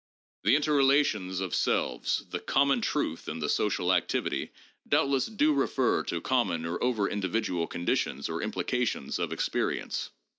The interrelations of selves, the common truth and the social activity, doubtless do refer to common or over individual conditions or im plications of experience.